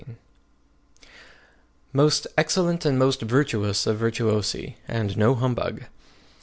MOST EXCELLENT AND MOST VIRTUOUS OF VIRTUOSI, AND NO HUMBUG!